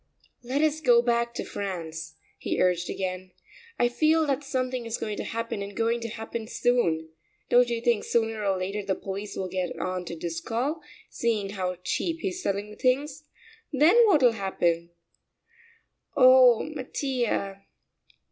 "Let us go back to France," he urged again. "I feel that something is going to happen, and going to happen soon. Don't you think sooner or later the police will get on to Driscoll, seeing how cheap he's selling the things? Then what'll happen?" "Oh, Mattia...."